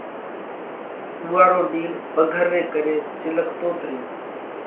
اُوئا رو ڏِيل پگھر ري ڪري چِلڪتوت ريو۔